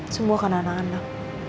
semua karena anak anak